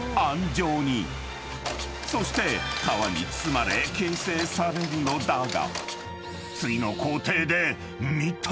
［そして皮に包まれ形成されるのだが］